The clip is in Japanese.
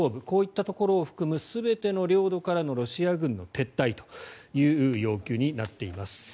こういったところを含む全ての領土からのロシア軍の撤退という要求になっています。